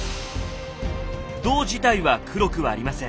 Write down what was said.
銅自体は黒くはありません。